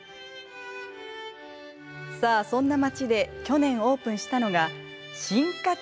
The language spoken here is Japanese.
さあ、そんな街で去年オープンしたのが進化系